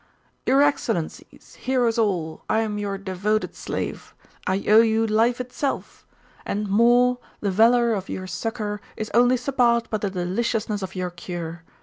'Your Excellency heroes all I am your devoted slave. I owe you life itself; and more, the valour of your succour is only surpassed by the deliciousness of your cure.